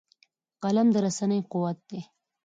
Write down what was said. قلم د رسنۍ قوت دی